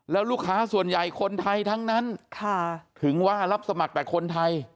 แล้วลูกค้าส่วนใหญ่คนไทยทั้งนั้นถึงว่ารับสมัครแต่คนไทย